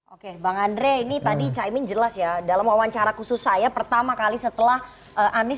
oke bang andre ini tadi caimin jelas ya dalam wawancara khusus saya pertama kali setelah anies